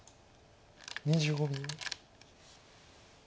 ２５秒。